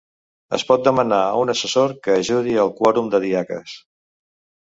Es pot demanar a un assessor que ajudi el quòrum de diaques.